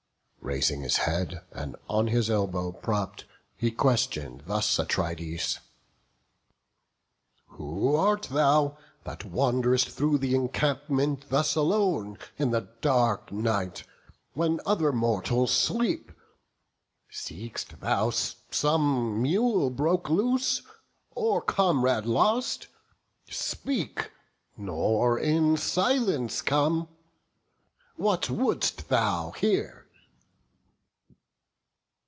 Raising his head, and on his elbow propp'd, He question'd thus Atrides: "Who art thou, That wand'rest through th' encampment thus alone, In the dark night, when other mortals sleep? Seek'st thou some mule broke loose, or comrade lost? Speak, nor in silence come; what wouldst thou here?"